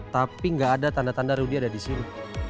tapi nggak ada tanda tanda rudy ada di sini